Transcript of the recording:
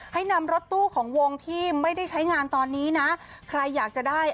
ให้นำรถตู้ของวงที่ไม่ได้ใช้งานตอนนี้นะใครอยากจะได้